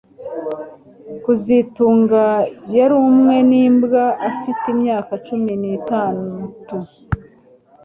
kazitunga yarumwe nimbwa afite imyaka cumi nitatu